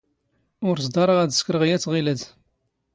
ⵓⵔ ⵥⴹⴰⵕⵖ ⴰⴷ ⵙⴽⵔⵖ ⵢⴰⵜ ⵖⵉⵍⴰⴷ.